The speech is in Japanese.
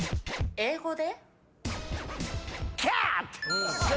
英語で？